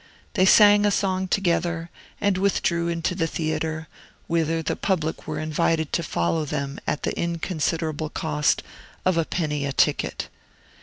They sang a song together, and withdrew into the theatre, whither the public were invited to follow them at the inconsiderable cost of a penny a ticket.